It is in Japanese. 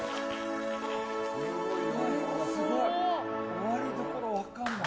終わりどころ分からない。